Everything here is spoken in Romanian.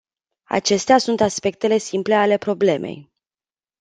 Acestea sunt aspectele simple ale problemei.